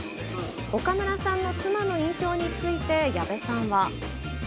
岡村さんの妻の印象について、矢部さんは。